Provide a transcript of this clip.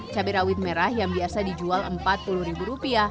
cabai rawit merah yang biasa dijual rp empat puluh